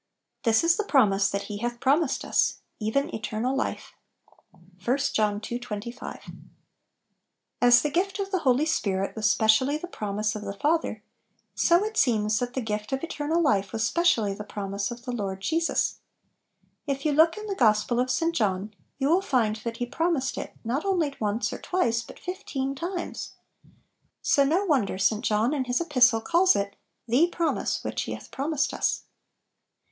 This is the promise that He hath promised us, even eternal life." — I John ii. 25. AS the gift of the Holy Spirit was specially " the promise of the Fa ther," so it seems that the gift of eter nal life was specially the promise of the Lord Jesus. If you look in the Gospel of St. John, you will find that He prom ised it not only once or twice, but fif teen times ! So no wonder Si John in his Epistle calls it " the promise which He hath promised us."